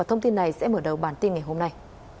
thông tin này sẽ mở đầu bản tin ngày hôm nay